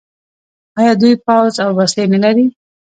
آیا دوی پوځ او وسلې نلري؟